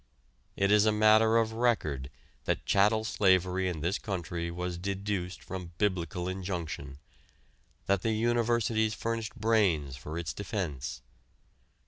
It is a matter of record that chattel slavery in this country was deduced from Biblical injunction, that the universities furnished brains for its defense.